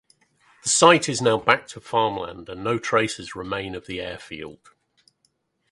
The site is now back to farmland and no trace remains of the airfield.